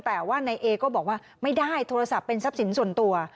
แต่ว่านายเอก็บอกว่าไม่ได้โทรศัพท์เป็นทรัพย์สินส่วนตัว